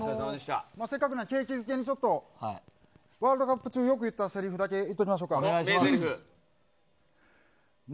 せっかくなので景気づけにワールドカップ中よく言ったセリフ言っておきましょうか。